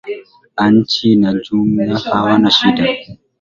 anchi kwa jumla hawana shida